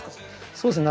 そうですね。